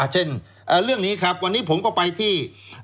เช่นเรื่องนี้ครับวันนี้ผมก็ไปที่